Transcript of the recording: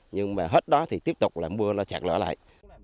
nhưng mà hết đó thì tiếp tục là mưa nó chạc lỡ lại